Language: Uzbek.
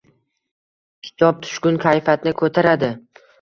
Kitob tushkun kayfiyatni koʻtaradi...